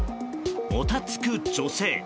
もたつく女性。